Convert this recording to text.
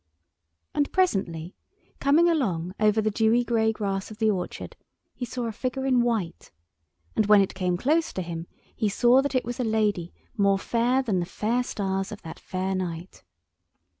And presently, coming along over the dewy grey grass of the orchard, he saw a figure in white, and when it came close to him he saw that it was a lady more fair than the fair stars of that fair night.